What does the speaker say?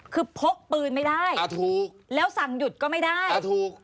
คือพกปืนไม่ได้อ่าถูกแล้วสั่งหยุดก็ไม่ได้อ่าถูก